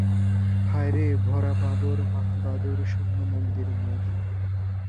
হায় রে– ভরা বাদর, মাহ ভাদর, শূন্য মন্দির মোর!